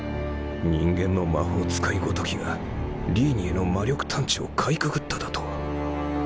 人間の魔法使いごときがリーニエの魔力探知をかいくぐっただと？